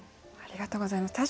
ありがとうございます。